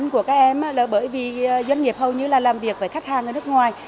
của các em là bởi vì doanh nghiệp hầu như là làm việc với khách hàng ở nước ngoài